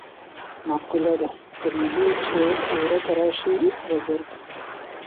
مقوله ده: د میږي چې ورکه راشي وزر کوي.